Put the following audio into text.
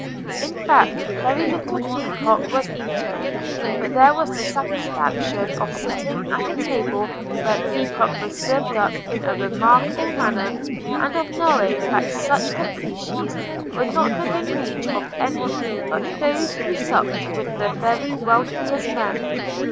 In fact, very little peacock was eaten; but there was the satisfaction of sitting at a table where peacock was served up in a remarkable manner, and of knowing that such caprices were not within reach of any but those who supped with the very wealthiest men.